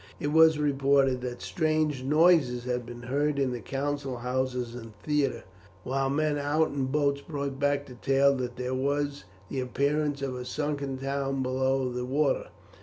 It was reported that strange noises had been heard in the council house and theatre, while men out in boats brought back the tale that there was the appearance of a sunken town below the water.